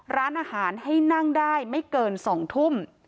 ร้านอาหารให้นั่งได้ไม่เกิน๒ทุ่ม